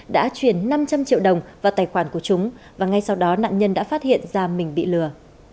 đã chuyển năm trăm linh triệu đồng vào tài khoản của chúng và ngay sau đó nạn nhân đã phát hiện ra mình bị lừa